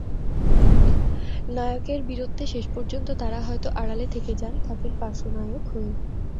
নায়কের বীরত্বে শেষ পর্যন্ত তারা হয়তো আড়ালে থেকে যান, থাকেন পার্শ্বনায়ক হয়ে।